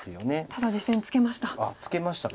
ただ実戦ツケました。